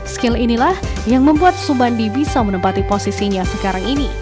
skill inilah yang membuat subandi bisa menempati posisinya sekarang ini